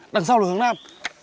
đằng sau là hướng nam